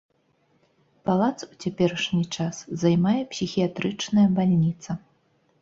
Палац у цяперашні час займае псіхіятрычная бальніца.